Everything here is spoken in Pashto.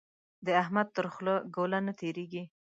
د احمد تر خوله ګوله نه تېرېږي.